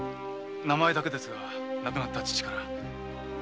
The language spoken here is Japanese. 名前だけですが亡くなった父から。